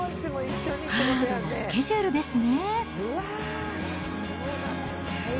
ハードなスケジュールですね。